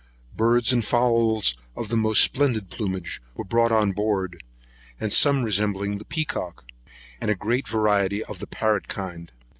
Birds and fowls, of the most splendid plumage, were brought on board, some resembling the peacock, and a great variety of the parrot kind.